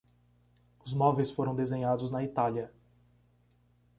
Os móveis foram desenhados na Itália